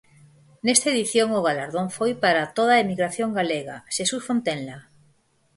Nesta edición o galardón foi para toda a emigración galega, Xesús Fontenla.